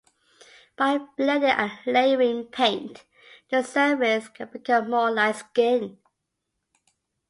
By blending and layering paint, the surface can become more like skin.